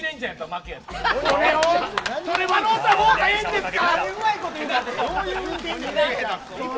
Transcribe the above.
それは笑った方がええんですか。